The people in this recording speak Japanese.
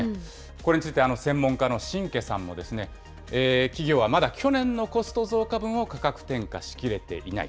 これについて、専門家の新家さんも、企業はまだ去年のコスト増加分を価格転嫁しきれていない。